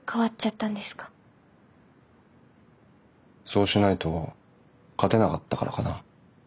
そうしないと勝てなかったからかな。